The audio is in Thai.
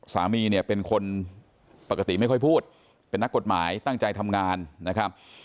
สามีเนี่ยเป็นคนปกติไม่ค่อยพูดเป็นนักกฎหมายตั้งใจทำงานนะครับ